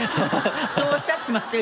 そうおっしゃってますよ。